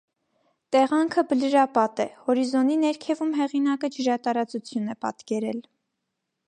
Տեղանքը բլրապատ է, հորիզոնի ներքևում հեղինակը ջրատարածություն է պատկերել։